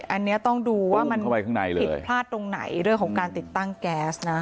อันนี้ต้องดูว่ามันผิดพลาดตรงไหนเรื่องของการติดตั้งแก๊สนะ